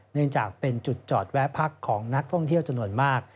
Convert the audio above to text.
เนื่องจากเป็นจุดจอดแวะพักของนักท่องเที่ยวจำนวนมาก